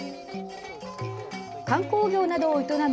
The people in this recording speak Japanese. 観光業などを営む